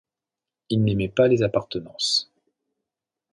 Il n’aimait pas les appartenances.